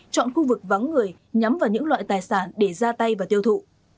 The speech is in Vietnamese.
chọn khu vực vắng người nhắm vào những loại tài sản để ra tay và tiêu thụ